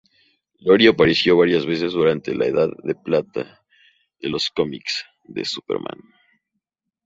Lori apareció varias veces durante la Edad de Plata de los cómics de Superman.